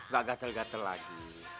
gak gatel gatel lagi